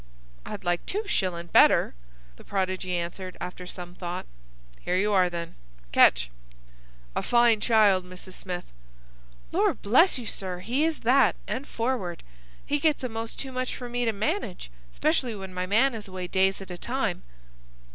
"I'd like two shillin' better," the prodigy answered, after some thought. "Here you are, then! Catch!—A fine child, Mrs. Smith!" "Lor' bless you, sir, he is that, and forward. He gets a'most too much for me to manage, 'specially when my man is away days at a time."